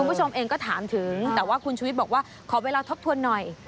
คุณผู้ชมเองก็ถามถึงแต่ว่าคุณชุวิตบอกว่าขอเวลาทบทวนหน่อย